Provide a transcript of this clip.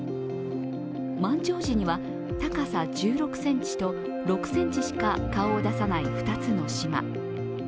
満潮時には高さ１６ｃｍと６ｃｍしか顔を出さない２つの島。